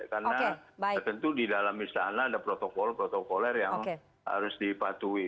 karena tentu di dalam istana ada protokol protokoler yang harus dipatuhi